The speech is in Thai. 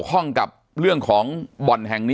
ปากกับภาคภูมิ